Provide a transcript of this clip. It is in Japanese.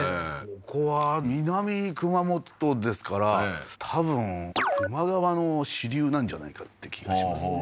ここは南熊本ですから多分球磨川の支流なんじゃないかって気がしますね